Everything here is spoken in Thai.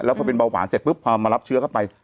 แล้วพอเป็นเบาหวานเศรษฐ์ฟึกพอมารับเชื้อเข้าไป